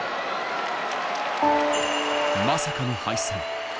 まさかの敗戦。